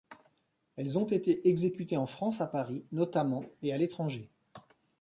Elles ont été exécutées en France à Paris notamment et à l'étranger.